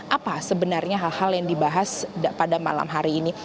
apa sebenarnya hal hal yang dibahas pada malam hari ini